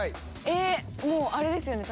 ええもうあれですよね？